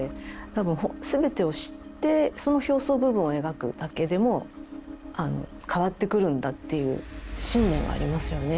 多分すべてを知ってその表層部分を描くだけでも変わってくるんだっていう信念はありますよね。